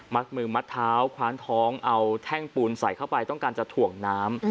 มือมัดเท้าคว้านท้องเอาแท่งปูนใส่เข้าไปต้องการจะถ่วงน้ำ